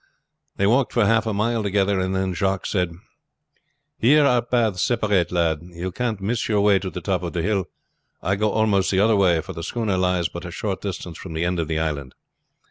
They walked for half a mile together, and then Jacques said: "Here our paths separate, lad; you can't miss your way to the top of the hill. I go almost the other way, for the schooner lies but a short distance from the end of the island.